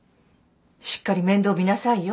しっかり面倒見なさいよ